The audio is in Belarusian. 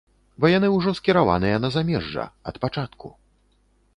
Бо яны ужо скіраваныя на замежжа, ад пачатку.